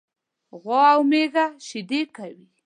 غوا او میږه شيدي کوي.